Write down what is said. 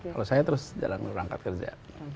kalau saya terus jalan jalan angkat kerja